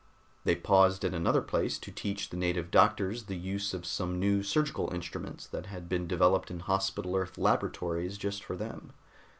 They paused at another place to teach the native doctors the use of some new surgical instruments that had been developed in Hospital Earth laboratories just for them.